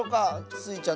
スイちゃん